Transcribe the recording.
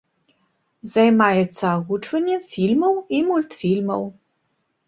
Займаецца агучваннем фільмаў і мультфільмаў.